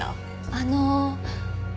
あの。